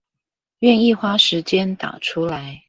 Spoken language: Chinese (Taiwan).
願意花時間打出來